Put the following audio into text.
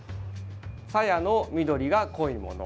さやの緑が濃いもの